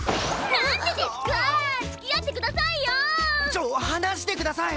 ちょっ離してください！